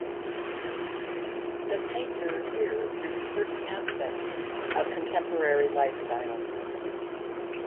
The painter here drew certain aspects of contemporary lifestyle.